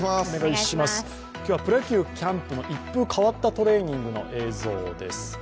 今日はプロ野球キャンプの一風変わったトレーニングの映像です。